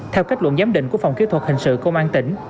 theo kết luận giám định của phòng kỹ thuật hình sự công an tỉnh